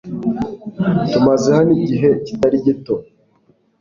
Tumaze hano igihe kitari gito.